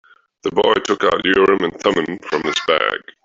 The boy took out Urim and Thummim from his bag.